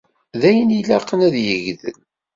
D ayen ilaqen ad yegdel.